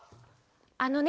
あのね